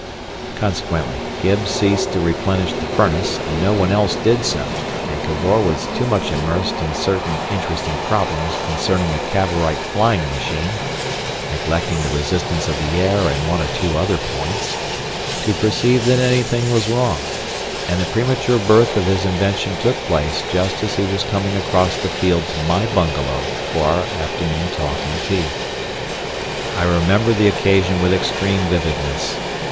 Consequently Gibbs ceased to replenish the furnace, and no one else did so, and Cavor was too much immersed in certain interesting problems concerning a Cavorite flying machine (neglecting the resistance of the air and one or two other points) to perceive that anything was wrong. And the premature birth of his invention took place just as he was coming across the field to my bungalow for our afternoon talk and tea. I remember the occasion with extreme vividness.